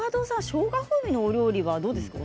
しょうが風味の料理はどうですか？